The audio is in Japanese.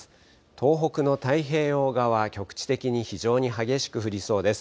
東北の太平洋側、局地的に非常に激しく降りそうです。